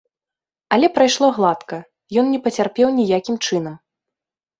Але прайшло гладка, ён не пацярпеў ніякім чынам.